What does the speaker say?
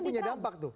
itu punya dampak tuh